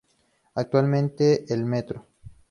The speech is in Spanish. Actualmente, el Mtro.